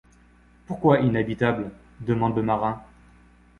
Pourquoi inhabitable ? demanda le marin.